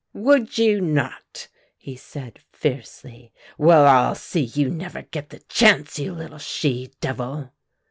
"Would you not?" he said fiercely; "well, I'll see you never get the chance, you little she devil."